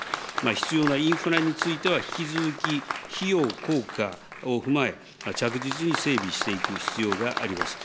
必要なインフラについては、引き続き費用効果を踏まえ、着実に整備していく必要があります。